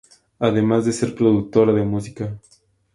Además de ser productora de música.